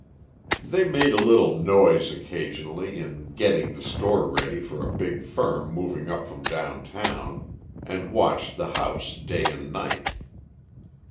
They made a little noise occasionally, in "getting the store ready for a big firm moving up from downtown," and watched the house day and night.